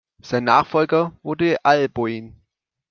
Sein Nachfolger wurde Alboin.